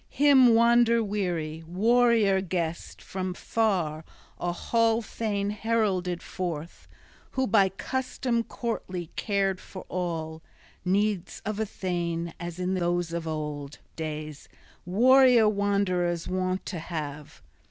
Him wander weary, warrior guest from far, a hall thane heralded forth, who by custom courtly cared for all needs of a thane as in those old days warrior wanderers wont to have.